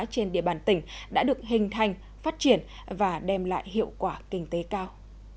trên địa bàn tỉnh đã được hình thành phát triển và đem lại hiệu quả kinh tế cao